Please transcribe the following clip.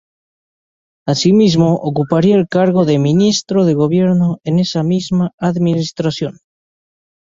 Asimismo, ocuparía el cargo de Ministro de Gobierno en esa misma administración.